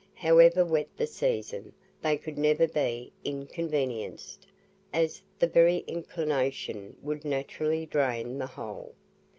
However wet the season, they could never be inconvenienced, as the very inclination would naturally drain the hole.